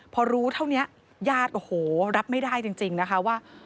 พอรู้เท่านี้ญาติโอ้โหรับไม่ได้จริงนะคะว่า